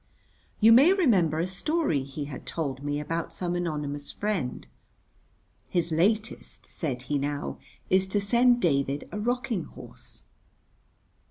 You may remember a story he had told me about some anonymous friend. "His latest," said he now, "is to send David a rocking horse!"